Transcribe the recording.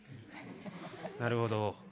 なるほど。